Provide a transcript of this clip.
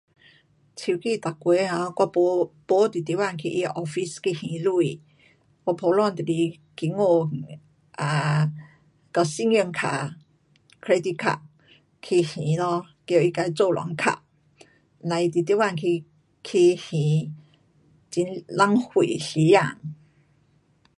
手机每月我没，没特特地的去它的 office 去还钱，我普通就是经过啊，跟信用卡，credit card 去还咯，叫它自自动扣。甭特特地去，去还。很浪费时间。